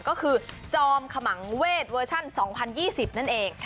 ก็คือจอมขมังเวทเวอร์ชัน๒๐๒๐นั่นเอง